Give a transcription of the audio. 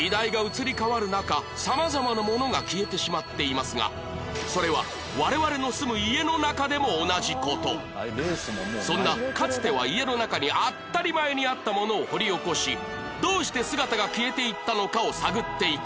このようにそれは我々の住むそんなかつては家の中に当たり前にあったものを掘り起こしどうして姿が消えていったのかを探っていこう